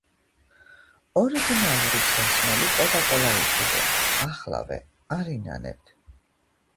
ორიგინალური სასმელი კოკაკოლა იყიდეთ ახლავე არ ინანებთ